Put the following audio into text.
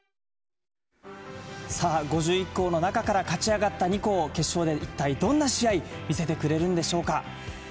さあ、５１校の中から勝ち上がった２校、決勝で一体、どんな試合、見せてくれるんでしょうか。